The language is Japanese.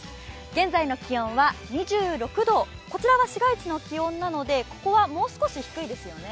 現在の気温は２６度こちらは市街地の気温なのでここはもう少し低いですよね。